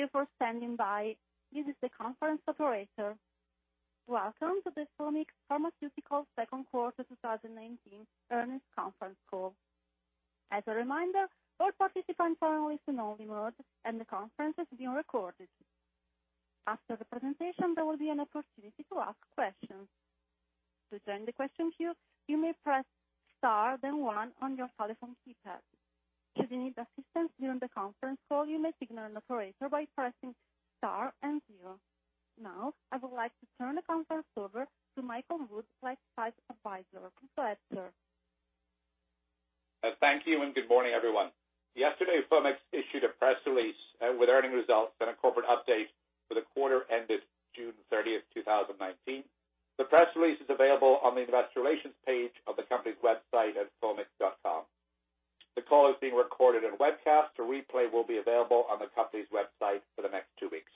Thank you for standing by. This is the conference operator. Welcome to the Foamix Pharmaceuticals second quarter 2019 earnings conference call. As a reminder, all participants are in listen-only mode, and the conference is being recorded. After the presentation, there will be an opportunity to ask questions. To join the question queue, you may press star then one on your telephone keypad. Should you need assistance during the conference call, you may signal an operator by pressing star and zero. Now I would like to turn the conference over to Michael Wood, Life Sciences advisor, LifeSci Advisors. Please go ahead, sir. Thank you, and good morning, everyone. Yesterday, Foamix issued a press release with earning results and a corporate update for the quarter ended June 30th, 2019. The press release is available on the investor relations page of the company's website at foamix.com. The call is being recorded and webcast. A replay will be available on the company's website for the next two weeks.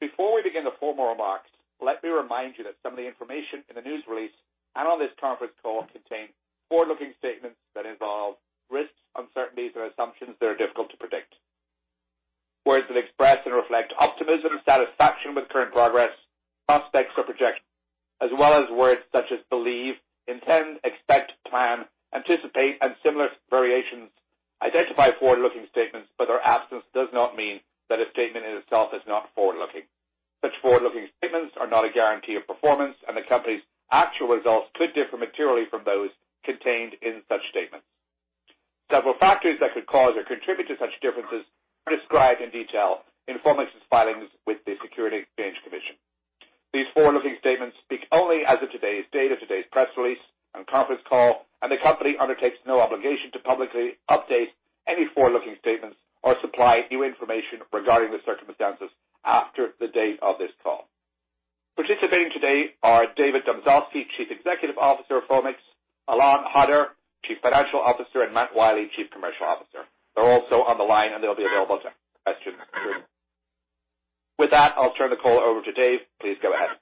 Before we begin the formal remarks, let me remind you that some of the information in the news release and on this conference call contain forward-looking statements that involve risks, uncertainties, and assumptions that are difficult to predict. Words that express and reflect optimism or satisfaction with current progress, prospects for projection, as well as words such as believe, intend, expect, plan, anticipate, and similar variations identify forward-looking statements, but their absence does not mean that a statement in itself is not forward-looking. Such forward-looking statements are not a guarantee of performance, and the company's actual results could differ materially from those contained in such statements. Several factors that could cause or contribute to such differences are described in detail in Foamix's filings with the Securities and Exchange Commission. These forward-looking statements speak only as of today's date of today's press release and conference call, and the company undertakes no obligation to publicly update any forward-looking statements or supply new information regarding the circumstances after the date of this call. Participating today are David Domzalski, Chief Executive Officer of Foamix, Ilan Hadar, Chief Financial Officer, and Matt Wiley, Chief Commercial Officer. They're also on the line, and they'll be available to answer questions. With that, I'll turn the call over to Dave. Please go ahead.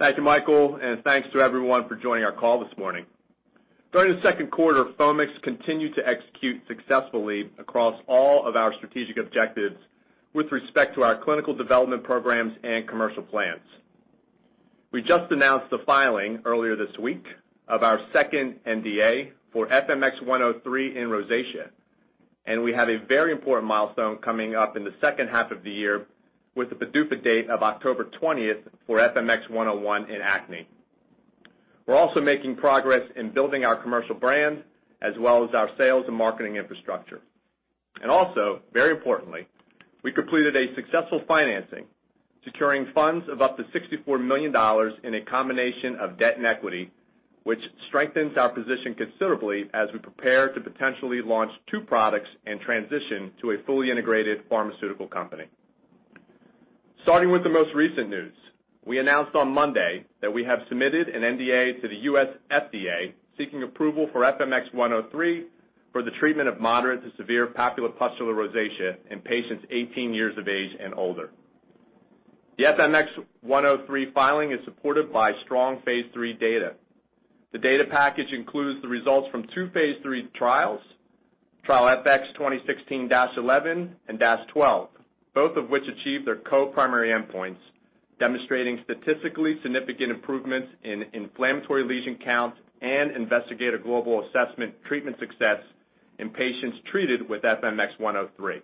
Thank you, Michael, and thanks to everyone for joining our call this morning. During the second quarter, Foamix continued to execute successfully across all of our strategic objectives with respect to our clinical development programs and commercial plans. We just announced the filing earlier this week of our second NDA for FMX103 in rosacea. We have a very important milestone coming up in the second half of the year with the PDUFA date of October 20th for FMX101 in acne. We're also making progress in building our commercial brand as well as our sales and marketing infrastructure. Also, very importantly, we completed a successful financing, securing funds of up to $64 million in a combination of debt and equity, which strengthens our position considerably as we prepare to potentially launch two products and transition to a fully integrated pharmaceutical company. Starting with the most recent news, we announced on Monday that we have submitted an NDA to the U.S. FDA seeking approval for FMX103 for the treatment of moderate to severe papulopustular rosacea in patients 18 years of age and older. The FMX103 filing is supported by strong phase III data. The data package includes the results from two phase III trials, trial FX2016-11 and -12, both of which achieved their co-primary endpoints, demonstrating statistically significant improvements in inflammatory lesion count and investigated global assessment treatment success in patients treated with FMX103.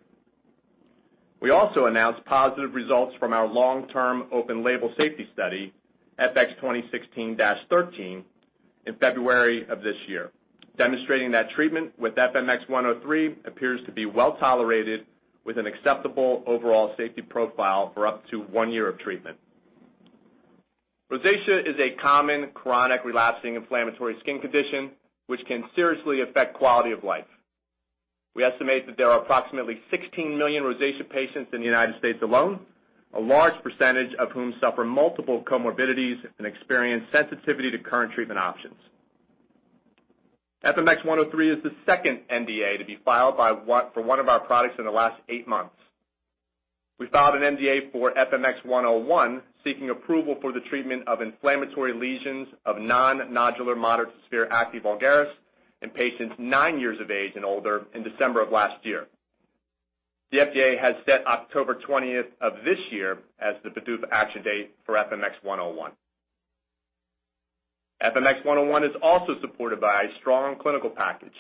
We also announced positive results from our long-term open-label safety study, FX2016-13, in February of this year, demonstrating that treatment with FMX103 appears to be well tolerated with an acceptable overall safety profile for up to one year of treatment. Rosacea is a common chronic relapsing inflammatory skin condition which can seriously affect quality of life. We estimate that there are approximately 16 million rosacea patients in the United States alone, a large percentage of whom suffer multiple comorbidities and experience sensitivity to current treatment options. FMX103 is the second NDA to be filed for one of our products in the last eight months. We filed an NDA for FMX101 seeking approval for the treatment of inflammatory lesions of non-nodular moderate to severe acne vulgaris in patients nine years of age and older in December of last year. The FDA has set October 20th of this year as the PDUFA action date for FMX101. FMX101 is also supported by a strong clinical package,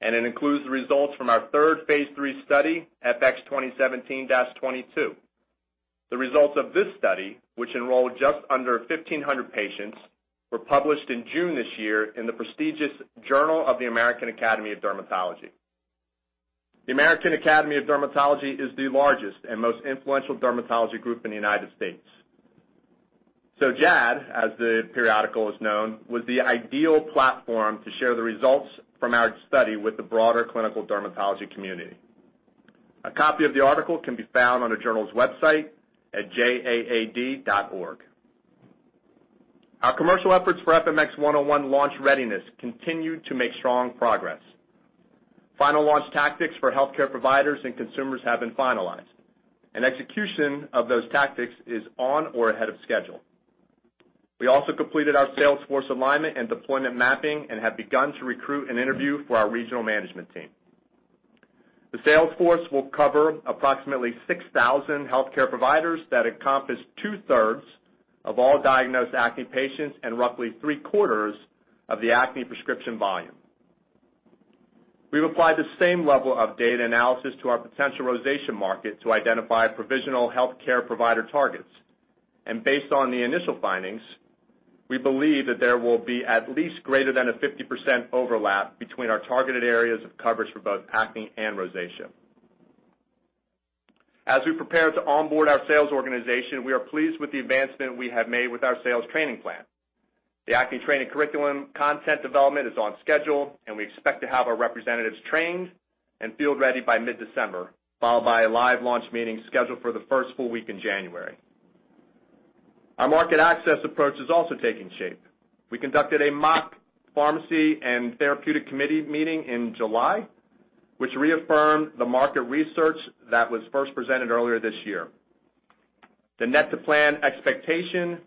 and it includes the results from our third phase III study, FX2017-22. The results of this study, which enrolled just under 1,500 patients, were published in June this year in the prestigious Journal of the American Academy of Dermatology. The American Academy of Dermatology is the largest and most influential dermatology group in the United States. JAAD, as the periodical is known, was the ideal platform to share the results from our study with the broader clinical dermatology community. A copy of the article can be found on the journal's website at jaad.org. Our commercial efforts for FMX101 launch readiness continued to make strong progress. Final launch tactics for healthcare providers and consumers have been finalized, and execution of those tactics is on or ahead of schedule. We also completed our sales force alignment and deployment mapping and have begun to recruit and interview for our regional management team. The sales force will cover approximately 6,000 healthcare providers that encompass two-thirds of all diagnosed acne patients and roughly three-quarters of the acne prescription volume. We've applied the same level of data analysis to our potential rosacea market to identify provisional healthcare provider targets. Based on the initial findings, we believe that there will be at least greater than a 50% overlap between our targeted areas of coverage for both acne and rosacea. As we prepare to onboard our sales organization, we are pleased with the advancement we have made with our sales training plan. The acne training curriculum content development is on schedule, and we expect to have our representatives trained and field-ready by mid-December, followed by a live launch meeting scheduled for the first full week in January. Our market access approach is also taking shape. We conducted a mock pharmacy and therapeutic committee meeting in July, which reaffirmed the market research that was first presented earlier this year. The net-to-plan expectation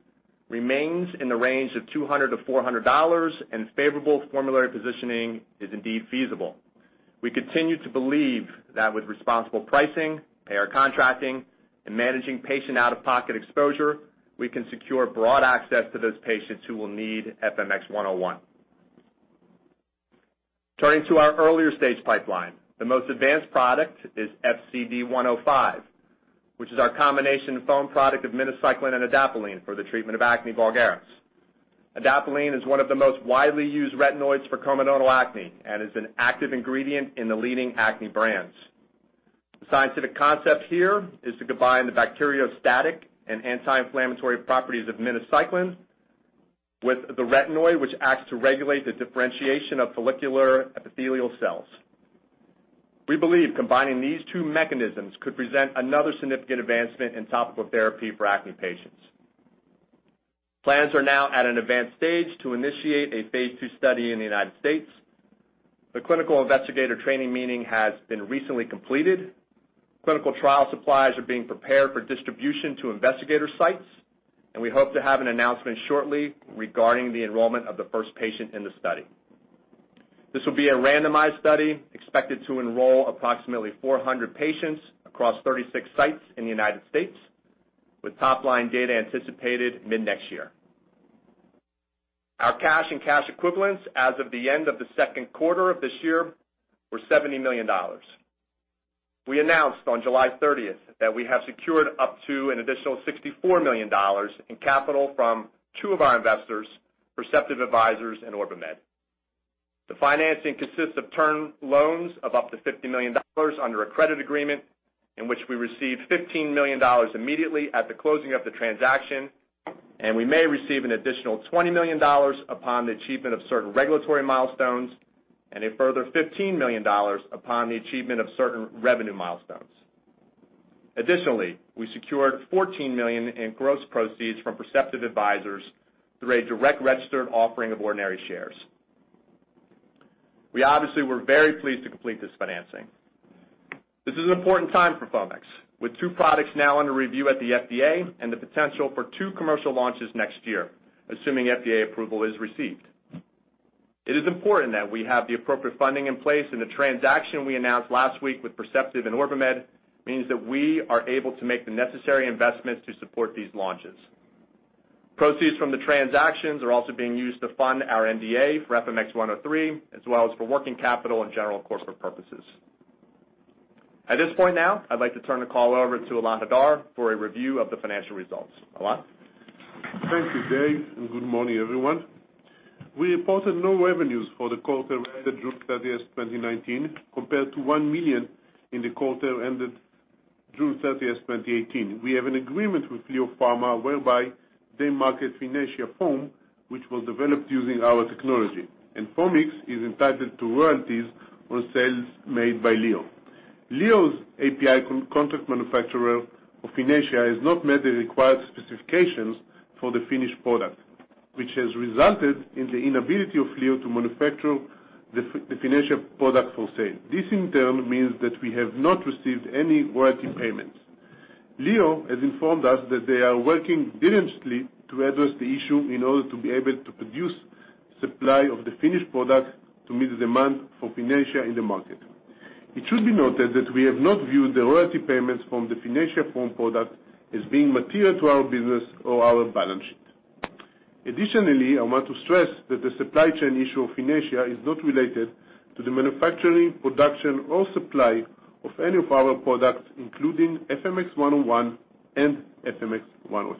remains in the range of $200-$400. Favorable formulary positioning is indeed feasible. We continue to believe that with responsible pricing, payer contracting, and managing patient out-of-pocket exposure, we can secure broad access to those patients who will need FMX101. Turning to our earlier stage pipeline. The most advanced product is FCD105, which is our combination foam product of minocycline and adapalene for the treatment of acne vulgaris. Adapalene is one of the most widely used retinoids for comedonal acne and is an active ingredient in the leading acne brands. The scientific concept here is to combine the bacteriostatic and anti-inflammatory properties of minocycline with the retinoid, which acts to regulate the differentiation of follicular epithelial cells. We believe combining these two mechanisms could present another significant advancement in topical therapy for acne patients. Plans are now at an advanced stage to initiate a phase II study in the U.S. The clinical investigator training meeting has been recently completed. Clinical trial supplies are being prepared for distribution to investigator sites, and we hope to have an announcement shortly regarding the enrollment of the first patient in the study. This will be a randomized study expected to enroll approximately 400 patients across 36 sites in the U.S., with top-line data anticipated mid-next year. Our cash and cash equivalents as of the end of the second quarter of this year were $70 million. We announced on July 30th that we have secured up to an additional $64 million in capital from two of our investors, Perceptive Advisors and OrbiMed. The financing consists of term loans of up to $50 million under a credit agreement in which we received $15 million immediately at the closing of the transaction. We may receive an additional $20 million upon the achievement of certain regulatory milestones and a further $15 million upon the achievement of certain revenue milestones. Additionally, we secured $14 million in gross proceeds from Perceptive Advisors through a direct registered offering of ordinary shares. We obviously were very pleased to complete this financing. This is an important time for Foamix. With two products now under review at the FDA and the potential for two commercial launches next year, assuming FDA approval is received. It is important that we have the appropriate funding in place. The transaction we announced last week with Perceptive and OrbiMed means that we are able to make the necessary investments to support these launches. Proceeds from the transactions are also being used to fund our NDA for FMX103, as well as for working capital and general corporate purposes. At this point now, I'd like to turn the call over to Ilan Hadar for a review of the financial results. Ilan? Thank you, Dave, and good morning, everyone. We reported no revenues for the quarter ended June 30th, 2019, compared to $1 million in the quarter ended June 30th, 2018. We have an agreement with LEO Pharma whereby they market Finacea foam, which was developed using our technology, and Foamix is entitled to royalties on sales made by LEO. LEO's API contract manufacturer of Finacea has not met the required specifications for the finished product, which has resulted in the inability of LEO to manufacture the Finacea product for sale. This, in turn, means that we have not received any royalty payments. LEO has informed us that they are working diligently to address the issue in order to be able to produce supply of the finished product to meet the demand for Finacea in the market. It should be noted that we have not viewed the royalty payments from the Finacea foam product as being material to our business or our balance sheet. Additionally, I want to stress that the supply chain issue of Finacea is not related to the manufacturing, production, or supply of any of our products, including FMX101 and FMX103.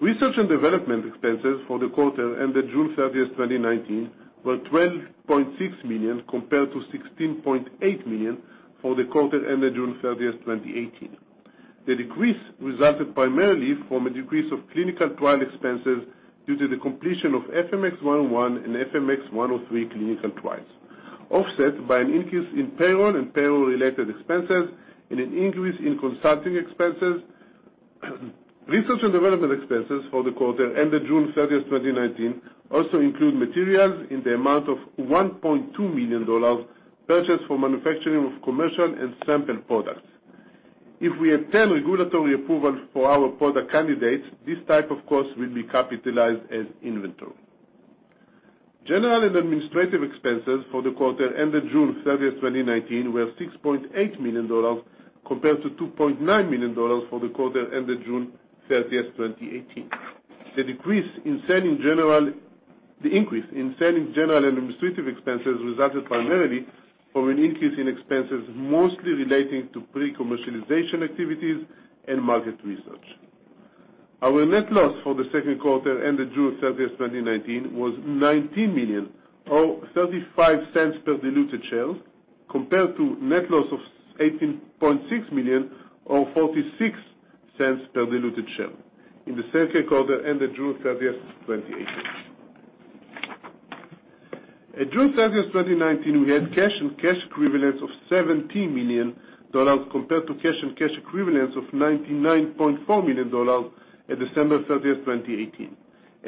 Research and development expenses for the quarter ended June 30, 2019, were $12.6 million, compared to $16.8 million for the quarter ended June 30, 2018. The decrease resulted primarily from a decrease of clinical trial expenses due to the completion of FMX101 and FMX103 clinical trials, offset by an increase in payroll and payroll-related expenses and an increase in consulting expenses. Research and development expenses for the quarter ended June 30th, 2019, also include materials in the amount of $1.2 million purchased for manufacturing of commercial and sample products. If we obtain regulatory approval for our product candidates, this type of cost will be capitalized as inventory. General and administrative expenses for the quarter ended June 30th, 2019 were $6.8 million, compared to $2.9 million for the quarter ended June 30th, 2018. The increase in selling, general, and administrative expenses resulted primarily from an increase in expenses mostly relating to pre-commercialization activities and market research. Our net loss for the second quarter ended June 30th, 2019 was $19 million, or $0.35 per diluted share, compared to net loss of $18.6 million or $0.46 per diluted share in the second quarter ended June 30th, 2018. At June 30th, 2019, we had cash and cash equivalents of $70 million compared to cash and cash equivalents of $99.4 million at December 30th, 2018.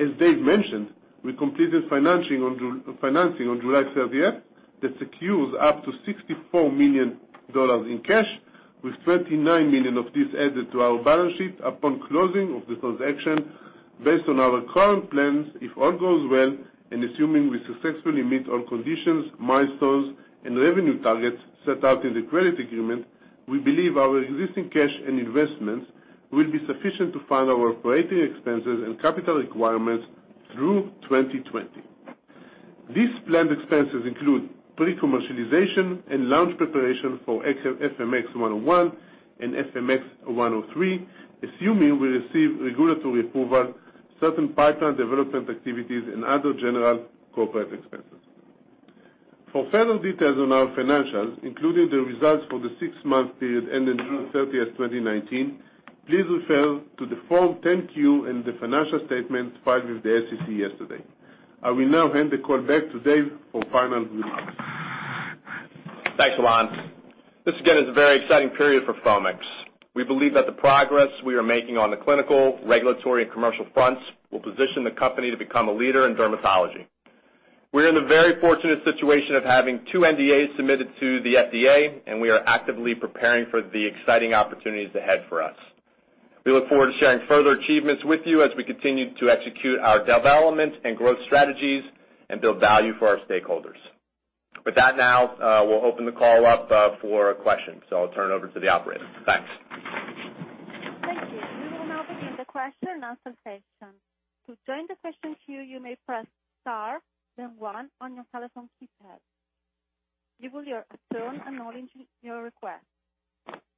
As Dave mentioned, we completed financing on July 30th that secures up to $64 million in cash, with $29 million of this added to our balance sheet upon closing of the transaction. Based on our current plans, if all goes well, assuming we successfully meet all conditions, milestones, and revenue targets set out in the credit agreement, we believe our existing cash and investments will be sufficient to fund our operating expenses and capital requirements through 2020. These planned expenses include pre-commercialization and launch preparation for FMX101 and FMX103, assuming we receive regulatory approval, certain pipeline development activities, and other general corporate expenses. For further details on our financials, including the results for the six-month period ending June 30th, 2019, please refer to the Form 10-Q and the financial statements filed with the SEC yesterday. I will now hand the call back to Dave for final remarks. Thanks, Ilan. This again is a very exciting period for Foamix. We believe that the progress we are making on the clinical, regulatory, and commercial fronts will position the company to become a leader in dermatology. We're in the very fortunate situation of having two NDAs submitted to the FDA, and we are actively preparing for the exciting opportunities ahead for us. We look forward to sharing further achievements with you as we continue to execute our development and growth strategies and build value for our stakeholders. With that, now, we'll open the call up for questions. I'll turn it over to the operator. Thanks. Thank you. We will now begin the question and answer session. To join the question queue, you may press star then one on your telephone keypad. We will assume and acknowledge your request.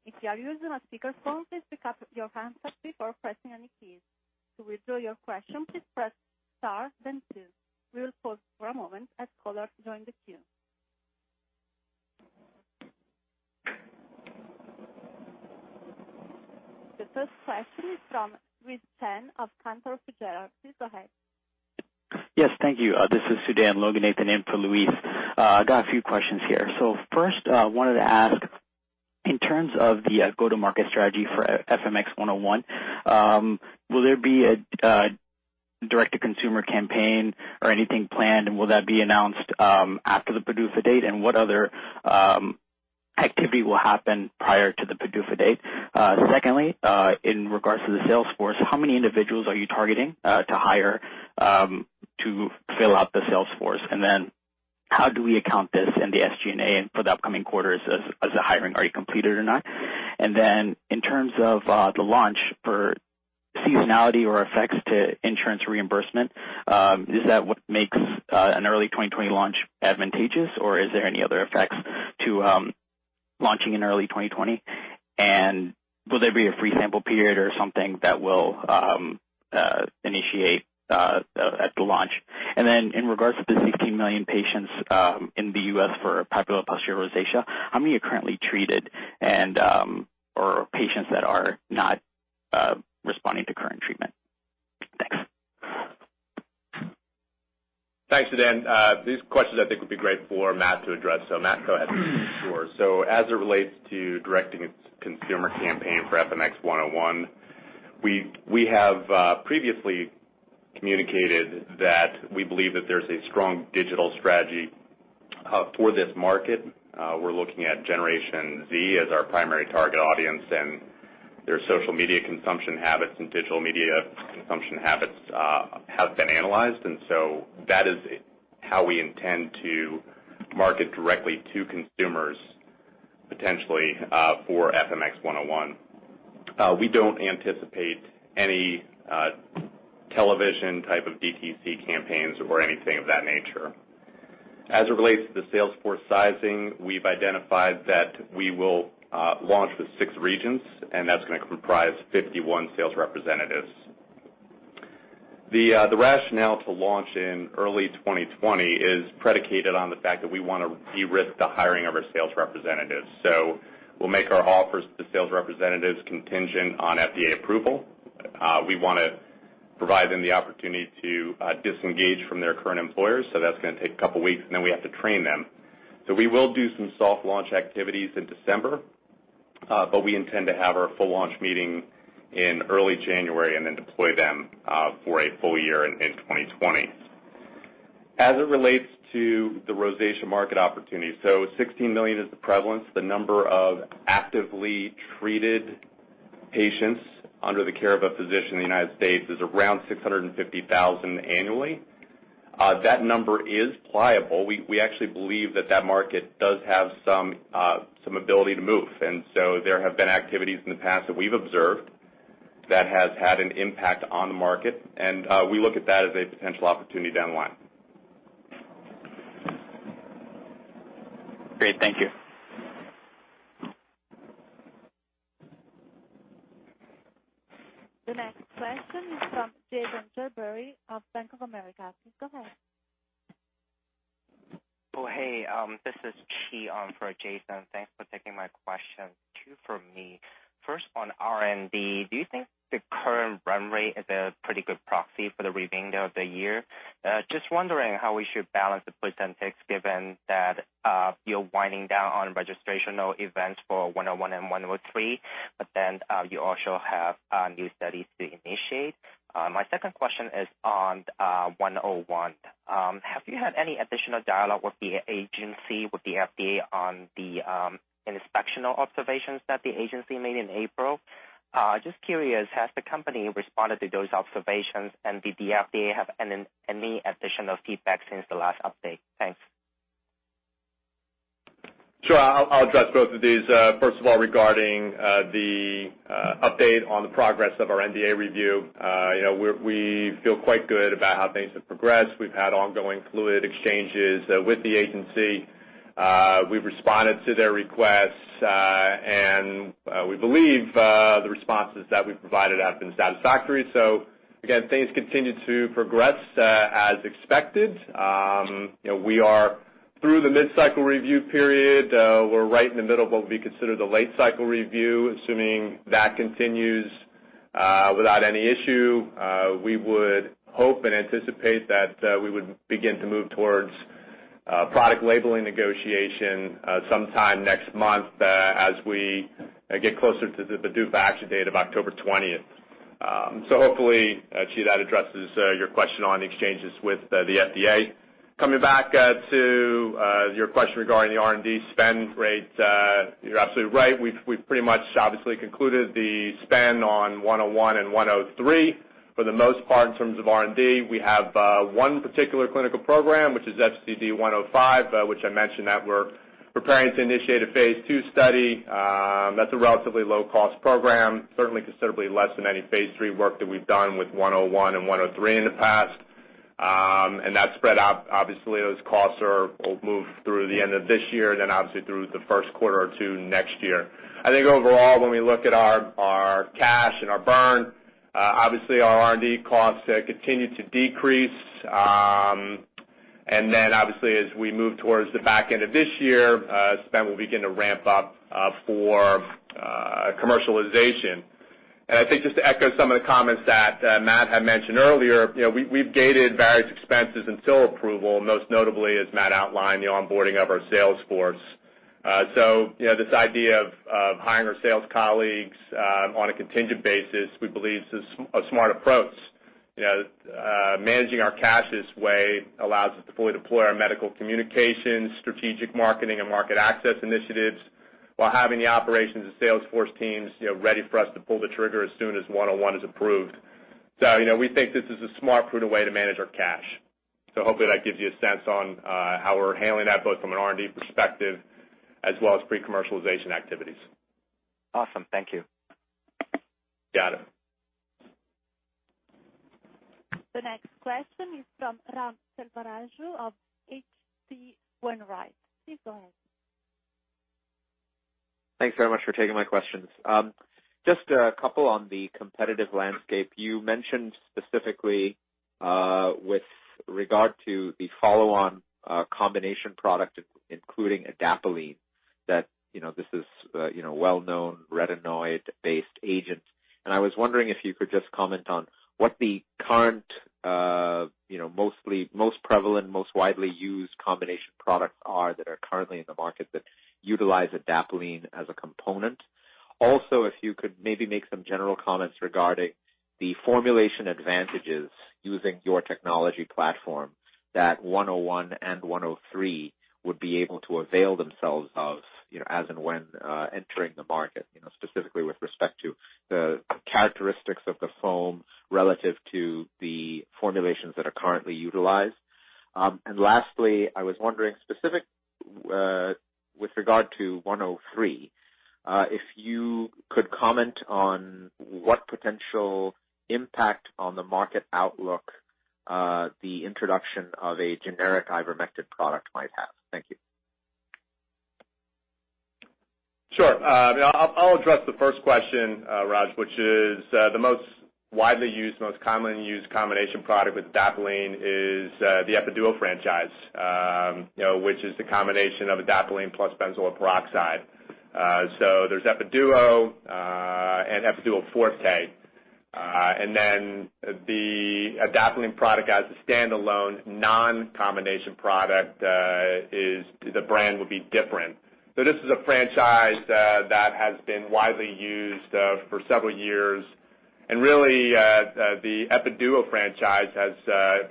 If you are using a speakerphone, please pick up your handset before pressing any keys. To withdraw your question, please press star then two. We will pause for a moment as callers join the queue. The first question is from Louise Chen of Cantor Fitzgerald. Please go ahead. Yes, thank you. This is Sudan Loganathan in for Louise. I got a few questions here. First, wanted to ask, in terms of the go-to-market strategy for FMX101, will there be a direct-to-consumer campaign or anything planned? Will that be announced after the PDUFA date? What other activity will happen prior to the PDUFA date? Secondly, in regards to the sales force, how many individuals are you targeting to hire to fill out the sales force? How do we account this in the SG&A and for the upcoming quarters as the hiring already completed or not? In terms of the launch for seasonality or effects to insurance reimbursement, is that what makes an early 2020 launch advantageous, or is there any other effects to launching in early 2020? Will there be a free sample period or something that will initiate at the launch? In regards to the 16 million patients in the U.S. for papulopustular rosacea, how many are currently treated or are patients that are not responding to current treatment? Thanks. Thanks, Sudan. These questions I think would be great for Matt to address. Matt, go ahead. Sure. As it relates to directing a consumer campaign for FMX101, we have previously communicated that we believe that there's a strong digital strategy for this market. We're looking at Generation Z as our primary target audience, and their social media consumption habits and digital media consumption habits have been analyzed. That is how we intend to market directly to consumers, potentially, for FMX101. We don't anticipate any television type of DTC campaigns or anything of that nature. As it relates to the sales force sizing, we've identified that we will launch with six regions, and that's going to comprise 51 sales representatives. The rationale to launch in early 2020 is predicated on the fact that we want to de-risk the hiring of our sales representatives. We'll make our offers to sales representatives contingent on FDA approval. We want to provide them the opportunity to disengage from their current employers, that's going to take a couple of weeks, and then we have to train them. We will do some soft launch activities in December. We intend to have our full launch meeting in early January and then deploy them for a full year in 2020. As it relates to the rosacea market opportunity, 16 million is the prevalence. The number of actively treated patients under the care of a physician in the U.S. is around 650,000 annually. That number is pliable. We actually believe that that market does have some ability to move. There have been activities in the past that we've observed that has had an impact on the market, and we look at that as a potential opportunity down the line. Great. Thank you. The next question is from Jason Gerberry of Bank of America. Please go ahead. Oh, hey. This is Qi for Jason. Thanks for taking my question. Two from me. First, on R&D, do you think the current run rate is a pretty good proxy for the remainder of the year? Just wondering how we should balance the specifics given that you're winding down on registrational events for 101 and 103, but then you also have new studies to initiate. My second question is on 101. Have you had any additional dialogue with the agency, with the FDA on the inspectional observations that the agency made in April? Just curious, has the company responded to those observations, and did the FDA have any additional feedback since the last update? Thanks. Sure. I'll address both of these. First of all, regarding the update on the progress of our NDA review. We feel quite good about how things have progressed. We've had ongoing fluid exchanges with the agency. We've responded to their requests, and we believe the responses that we've provided have been satisfactory. Again, things continue to progress as expected. We are through the mid-cycle review period. We're right in the middle of what would be considered the late cycle review. Assuming that continues without any issue, we would hope and anticipate that we would begin to move towards product labeling negotiation sometime next month as we get closer to the due action date of October 20th. Hopefully, Qi, that addresses your question on the exchanges with the FDA. Coming back to your question regarding the R&D spend rate. You're absolutely right. We've pretty much obviously concluded the spend on 101 and 103 for the most part, in terms of R&D. We have one particular clinical program, which is FCD105, which I mentioned that we're preparing to initiate a phase II study. That's a relatively low-cost program, certainly considerably less than any phase III work that we've done with 101 and 103 in the past. That's spread out. Obviously, those costs will move through the end of this year through the first quarter or two next year. I think overall, when we look at our cash and our burn, obviously our R&D costs continue to decrease. As we move towards the back end of this year, spend will begin to ramp up for commercialization. I think just to echo some of the comments that Matt had mentioned earlier, we've gated various expenses until approval, most notably, as Matt outlined, the onboarding of our sales force. This idea of hiring our sales colleagues on a contingent basis, we believe is a smart approach. Managing our cash this way allows us to fully deploy our medical communication, strategic marketing, and market access initiatives while having the operations and sales force teams ready for us to pull the trigger as soon as 101 is approved. We think this is a smart, prudent way to manage our cash. Hopefully that gives you a sense on how we're handling that, both from an R&D perspective as well as pre-commercialization activities. Awesome. Thank you. Got it. The next question is from Ram Selvaraju of H.C. Wainwright. Please go ahead. Thanks very much for taking my questions. Just a couple on the competitive landscape. You mentioned specifically with regard to the follow-on combination product, including adapalene, that this is a well-known retinoid-based agent. I was wondering if you could just comment on what the current most prevalent, most widely used combination products are that are currently in the market that utilize adapalene as a component. If you could maybe make some general comments regarding the formulation advantages using your technology platform that 101 and 103 would be able to avail themselves of as and when entering the market, specifically with respect to the characteristics of the foam relative to the formulations that are currently utilized. Lastly, I was wondering specific with regard to 103, if you could comment on what potential impact on the market outlook the introduction of a generic ivermectin product might have. Thank you. Sure. I'll address the first question, Ram, which is the most widely used, most commonly used combination product with adapalene is the Epiduo franchise, which is the combination of adapalene plus benzoyl peroxide. There's Epiduo and Epiduo Forte. The adapalene product as a standalone non-combination product, the brand would be Differin. This is a franchise that has been widely used for several years. Really, the Epiduo franchise has,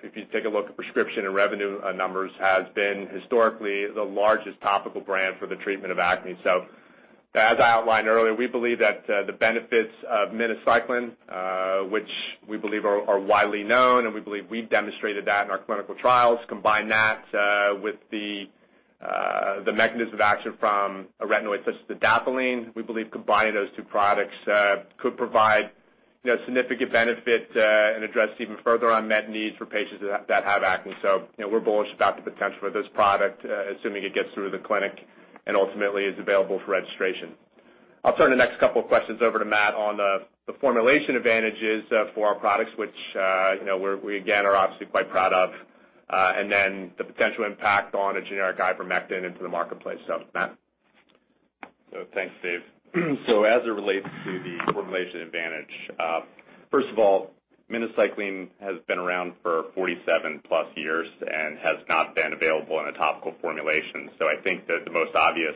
if you take a look at prescription and revenue numbers, has been historically the largest topical brand for the treatment of acne. As I outlined earlier, we believe that the benefits of minocycline, which we believe are widely known, and we believe we've demonstrated that in our clinical trials, combine that with the mechanism of action from a retinoid such as adapalene, we believe combining those two products could provide significant benefit, and address even further unmet needs for patients that have acne. We're bullish about the potential of this product, assuming it gets through the clinic and ultimately is available for registration. I'll turn the next couple of questions over to Matt on the formulation advantages for our products, which we again are obviously quite proud of, and then the potential impact on a generic ivermectin into the marketplace. Matt. Thanks, Dave. As it relates to the formulation advantage, first of all, minocycline has been around for 47 plus years and has not been available in a topical formulation. I think that the most obvious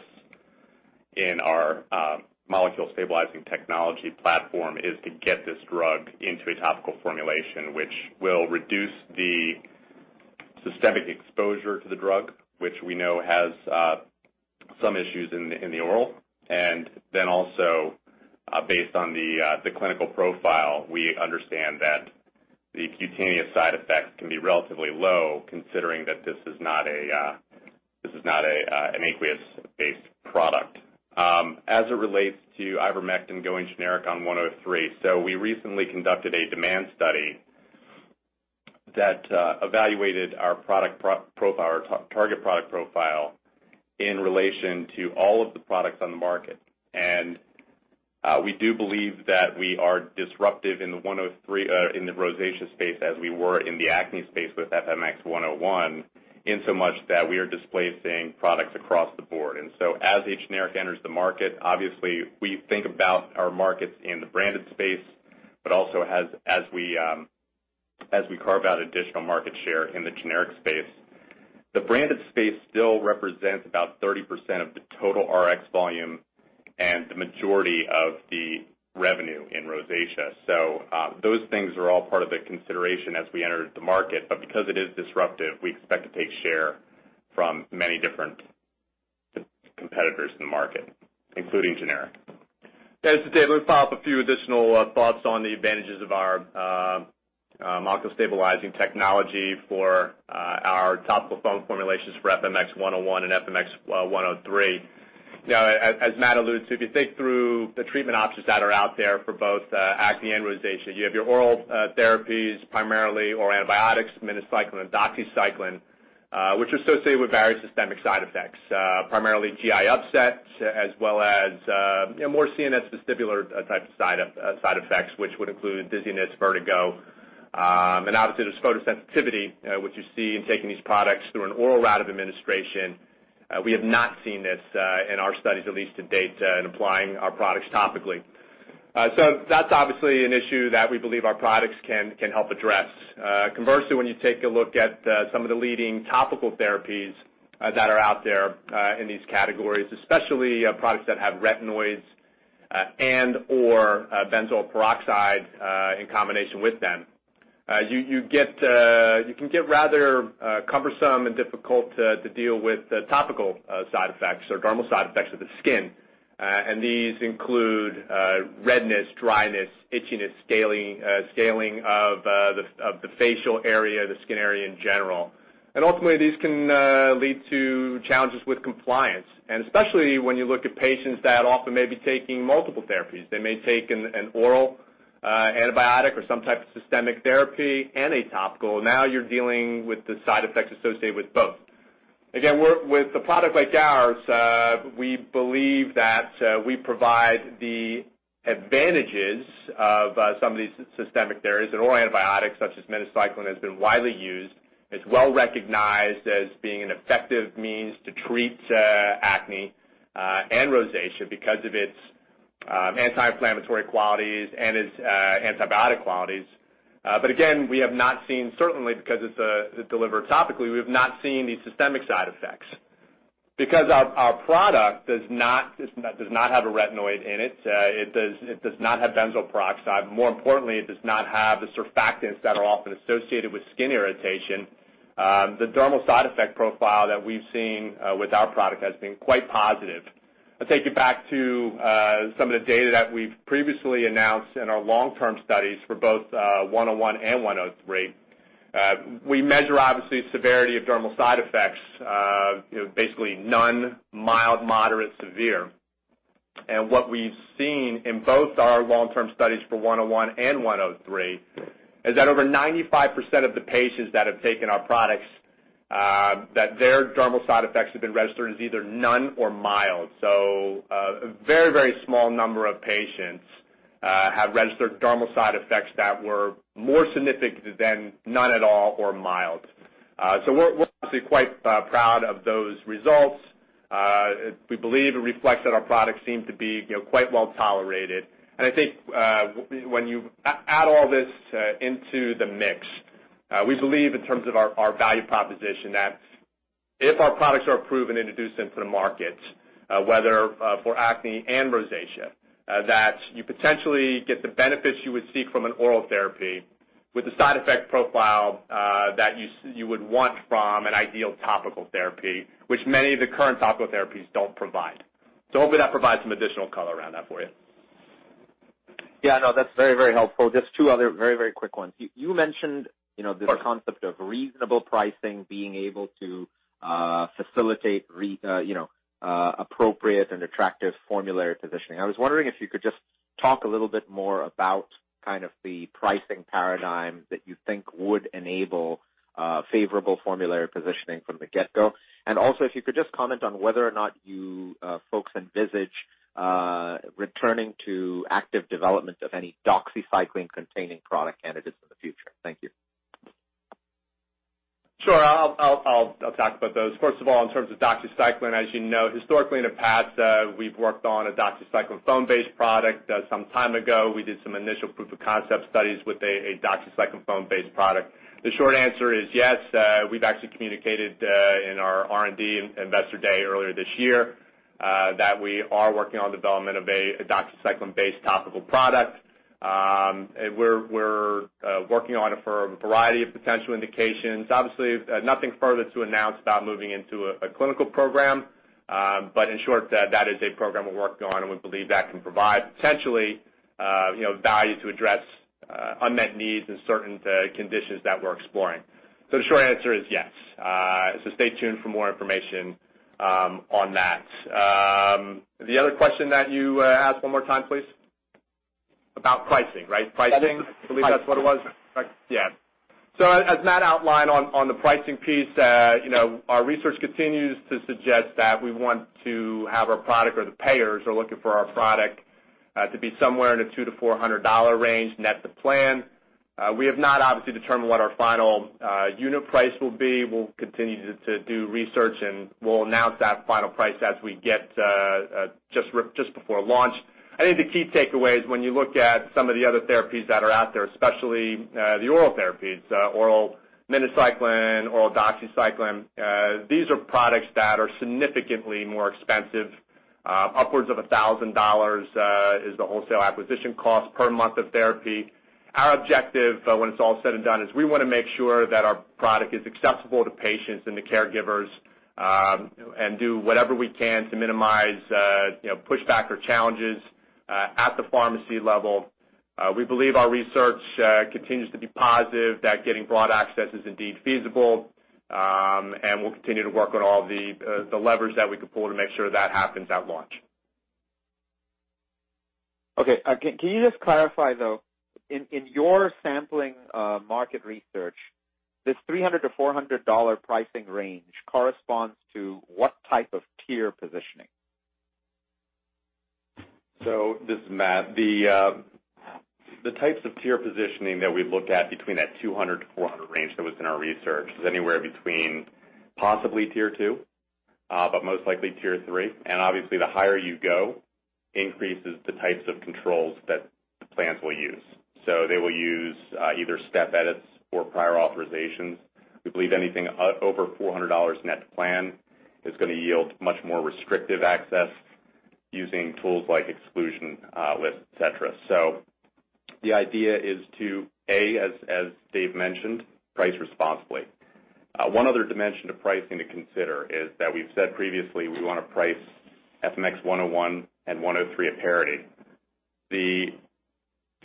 in our molecule stabilizing technology platform is to get this drug into a topical formulation, which will reduce the systemic exposure to the drug, which we know has some issues in the oral. Also based on the clinical profile, we understand that the cutaneous side effects can be relatively low considering that this is not an aqueous-based product. As it relates to ivermectin going generic on 103, we recently conducted a demand study that evaluated our target product profile in relation to all of the products on the market. We do believe that we are disruptive in the rosacea space as we were in the acne space with FMX101, in so much that we are displacing products across the board. As a generic enters the market, obviously we think about our markets in the branded space, but also as we carve out additional market share in the generic space. The branded space still represents about 30% of the total RX volume and the majority of the revenue in rosacea. Those things are all part of the consideration as we enter the market. Because it is disruptive, we expect to take share from many different competitors in the market, including generic. Yeah. Dave, let me pop up a few additional thoughts on the advantages of our molecule stabilizing technology for our topical foam formulations for FMX101 and FMX103. As Matt alludes to, if you think through the treatment options that are out there for both acne and rosacea, you have your oral therapies primarily, oral antibiotics, minocycline and doxycycline, which are associated with various systemic side effects, primarily GI upset, as well as more CNS vestibular type side effects, which would include dizziness, vertigo, and obviously there's photosensitivity, which you see in taking these products through an oral route of administration. We have not seen this in our studies, at least to date, in applying our products topically. That's obviously an issue that we believe our products can help address. Conversely, when you take a look at some of the leading topical therapies that are out there in these categories, especially products that have retinoids and/or benzoyl peroxide in combination with them, you can get rather cumbersome and difficult to deal with topical side effects or dermal side effects of the skin. These include redness, dryness, itchiness, scaling of the facial area, the skin area in general. Ultimately, these can lead to challenges with compliance. Especially when you look at patients that often may be taking multiple therapies, they may take an oral antibiotic or some type of systemic therapy and a topical. Now you're dealing with the side effects associated with both. Again, with a product like ours, we believe that we provide the advantages of some of these systemic therapies and oral antibiotics such as minocycline has been widely used. It's well recognized as being an effective means to treat acne and rosacea because of its anti-inflammatory qualities and its antibiotic qualities. Again, we have not seen, certainly because it's delivered topically, we have not seen these systemic side effects. Because our product does not have a retinoid in it does not have benzoyl peroxide, more importantly, it does not have the surfactants that are often associated with skin irritation. The dermal side effect profile that we've seen with our product has been quite positive. I'll take you back to some of the data that we've previously announced in our long-term studies for both 101 and 103. We measure, obviously, severity of dermal side effects, basically none, mild, moderate, severe. What we've seen in both our long-term studies for 101 and 103 is that over 95% of the patients that have taken our products, that their dermal side effects have been registered as either none or mild. A very small number of patients have registered dermal side effects that were more significant than none at all or mild. We're obviously quite proud of those results. We believe it reflects that our products seem to be quite well-tolerated. I think when you add all this into the mix, we believe in terms of our value proposition that if our products are approved and introduced into the market, whether for acne and rosacea, you potentially get the benefits you would see from an oral therapy with the side effect profile that you would want from an ideal topical therapy, which many of the current topical therapies don't provide. Hopefully that provides some additional color around that for you. Yeah, no, that's very helpful. Just two other very quick ones. You mentioned- Sure this concept of reasonable pricing being able to facilitate appropriate and attractive formulary positioning. I was wondering if you could just talk a little bit more about the pricing paradigm that you think would enable favorable formulary positioning from the get-go. Also, if you could just comment on whether or not you folks envisage returning to active development of any doxycycline-containing product candidates in the future. Thank you. Sure. I'll talk about those. First of all, in terms of doxycycline, as you know, historically in the past, we've worked on a doxycycline foam-based product some time ago. We did some initial proof of concept studies with a doxycycline foam-based product. The short answer is yes. We've actually communicated in our R&D investor day earlier this year that we are working on development of a doxycycline-based topical product. We're working on it for a variety of potential indications. Obviously, nothing further to announce about moving into a clinical program. In short, that is a program of work going on, and we believe that can provide potential value to address unmet needs in certain conditions that we're exploring. The short answer is yes. Stay tuned for more information on that. The other question that you asked, one more time, please? About pricing, right? Pricing? That is- I believe that's what it was. Pricing. As Matt outlined on the pricing piece, our research continues to suggest that we want to have our product or the payers are looking for our product, to be somewhere in the $200-$400 range net to plan. We have not obviously determined what our final unit price will be. We'll continue to do research, and we'll announce that final price as we get just before launch. I think the key takeaway is when you look at some of the other therapies that are out there, especially the oral therapies, oral minocycline, oral doxycycline, these are products that are significantly more expensive. Upwards of $1,000 is the wholesale acquisition cost per month of therapy. Our objective, when it's all said and done, is we want to make sure that our product is accessible to patients and to caregivers, and do whatever we can to minimize pushback or challenges at the pharmacy level. We believe our research continues to be positive, that getting broad access is indeed feasible. We'll continue to work on all the levers that we can pull to make sure that happens at launch. Okay. Can you just clarify, though, in your sampling market research, this $300-$400 pricing range corresponds to what type of tier positioning? This is Matt. The types of tier positioning that we've looked at between that 200-400 range that was in our research is anywhere between possibly tier 2, but most likely tier 3, and obviously the higher you go increases the types of controls that the plans will use. They will use either step edits or prior authorizations. We believe anything over $400 net to plan is going to yield much more restrictive access using tools like exclusion lists, et cetera. The idea is to, A, as Dave mentioned, price responsibly. One other dimension to pricing to consider is that we've said previously we want to price FMX101 and 103 at parity. The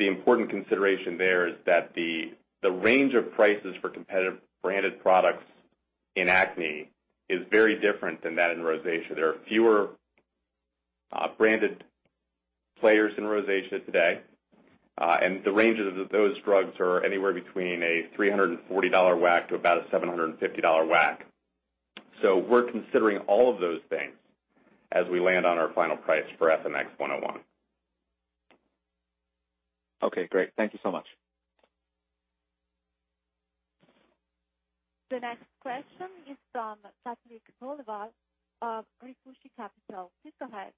important consideration there is that the range of prices for competitive branded products in acne is very different than that in rosacea. There are fewer branded players in rosacea today, and the ranges of those drugs are anywhere between a $340 WAC to about a $750 WAC. We're considering all of those things as we land on our final price for FMX101. Okay, great. Thank you so much. The next question is from Patrick Dolinar of LifeSci Capital. Please go ahead.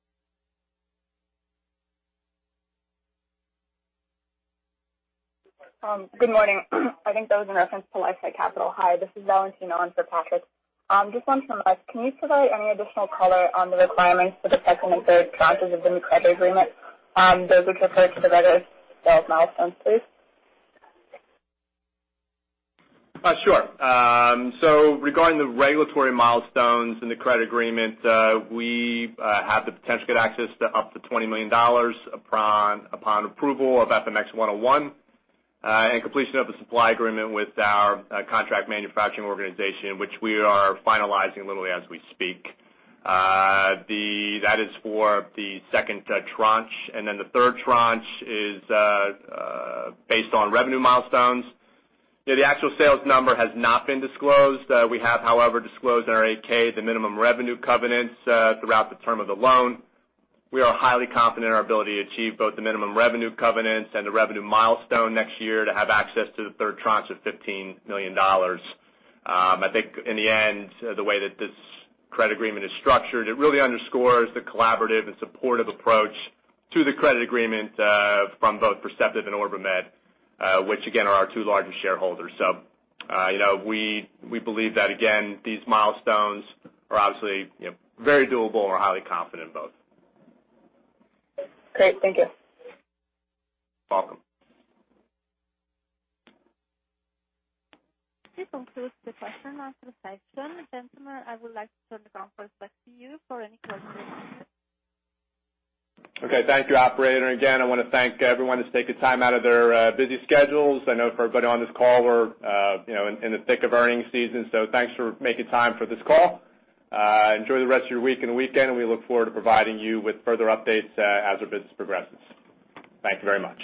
Good morning. I think that was in reference to LifeSci Capital. Hi, this is Valentina on for Patrick. Just wanted to ask, can you provide any additional color on the requirements for the second and third tranches of the new credit agreement, those which refer to the regulatory sales milestones, please? Sure. Regarding the regulatory milestones in the credit agreement, we have the potential to get access to up to $20 million upon approval of FMX101, and completion of the supply agreement with our contract manufacturing organization, which we are finalizing literally as we speak. That is for the second tranche, and then the third tranche is based on revenue milestones. The actual sales number has not been disclosed. We have, however, disclosed in our 8-K the minimum revenue covenants throughout the term of the loan. We are highly confident in our ability to achieve both the minimum revenue covenants and the revenue milestone next year to have access to the third tranche of $15 million. I think in the end, the way that this credit agreement is structured, it really underscores the collaborative and supportive approach to the credit agreement from both Perceptive and OrbiMed, which again, are our two largest shareholders. We believe that, again, these milestones are obviously very doable, and we're highly confident in both. Great. Thank you. Welcome. This concludes the question and answer session. Gentlemen, I would like to turn the conference back to you for any closing remarks. Okay. Thank you, operator. I want to thank everyone who's taking time out of their busy schedules. I know for everybody on this call, we're in the thick of earnings season, so thanks for making time for this call. Enjoy the rest of your week and weekend, and we look forward to providing you with further updates as our business progresses. Thank you very much.